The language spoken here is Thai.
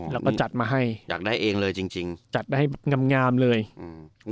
แล้วก็จัดมาให้อยากได้เองเลยจริงจริงจัดได้ให้งามงามเลยอืม